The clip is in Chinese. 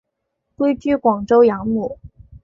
归居广州养母。